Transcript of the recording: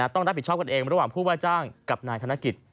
ต้องรับผิดชอบกันเองระหว่างผู้ว่าจ้างกับนายธนกิจ